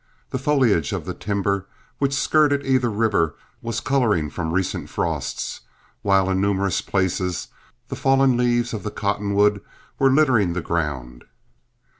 The foliage of the timber which skirted either river was coloring from recent frosts, while in numerous places the fallen leaves of the cottonwood were littering the ground.